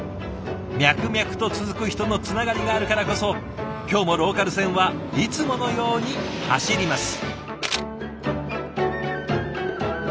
脈々と続く人のつながりがあるからこそ今日もローカル線はいつものように走ります。